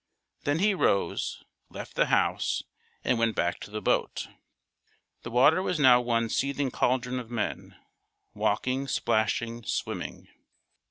Then he rose, left the house, and went back to the boat. The water was now one seething cauldron of men walking, splashing, swimming.